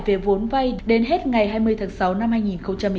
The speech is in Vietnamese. về vốn vay đến hết ngày hai mươi tháng sáu năm hai nghìn một mươi chín